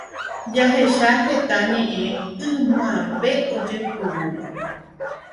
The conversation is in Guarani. Jahecha heta ñe'ẽ ymave ojeporúva